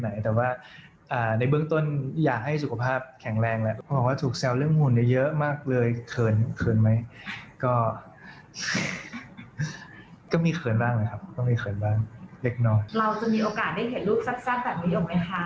อิน้ำมีเกินทุนบ้างนะครับก็มีเคยนบ้างสำหรับดักนอนก็จะมีโอกาสไม่ได้เเหลือตั้งแต่มีอย่างไง